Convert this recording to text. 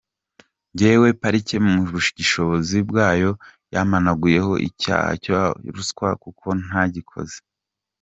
Njewe parike mu bushishozi bwayo yampanaguyeho icyo cyaha cya ruswa kuko ntagikoze”.